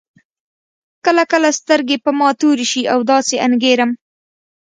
کله کله سترګې په ما تورې شي او داسې انګېرم.